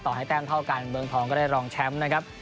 ต่อให้แต่มเท่ากันเบื้องทองก็ได้รองแชมป์